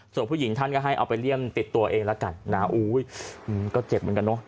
ส่วนผู้หญิงท่านก็ให้เอาไปเลี่ยมติดตัวเองแล้วกันนะอุ้ยก็เจ็บเหมือนกันเนอะ